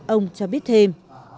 ông cho biết thêm